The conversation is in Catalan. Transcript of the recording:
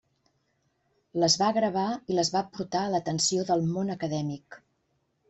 Les va gravar i les va portar a l'atenció del món acadèmic.